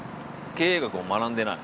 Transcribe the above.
経営学を学んでない？